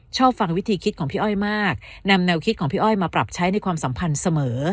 ชอบฟังวิธีคิดของพี่อ้อยมากนำแนวคิดของพี่อ้อยมาปรับใช้ในความสัมพันธ์เสมอ